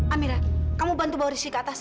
amira kamu bantu bawa rizky ke atas